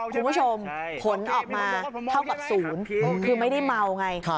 คุณผู้ชมผลออกมาเท่ากับศูนย์คือไม่ได้เมาไง